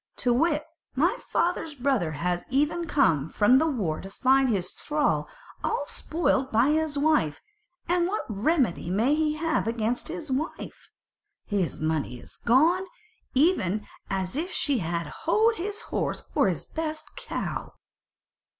To wit, my father's brother has even now come from the war to find his thrall all spoilt by his wife: and what remedy may he have against his wife? his money is gone, even as if she had houghed his horse or his best cow."